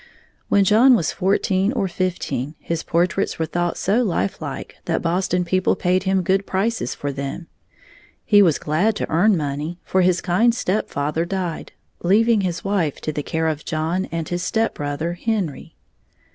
When John was fourteen or fifteen, his portraits were thought so lifelike that Boston people paid him good prices for them. He was glad to earn money, for his kind stepfather died, leaving his wife to the care of John and his stepbrother, Henry.